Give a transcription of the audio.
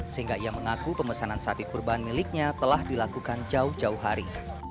sehingga ia mengaku pemesanan sapi kurban miliknya telah dilakukan jauh jauh hari